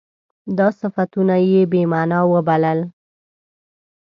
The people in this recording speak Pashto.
دا صفتونه یې بې معنا وبلل.